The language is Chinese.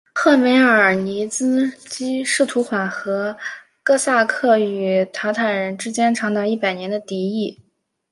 赫梅尔尼茨基试图缓和哥萨克与鞑靼人之间长达一百年的敌意。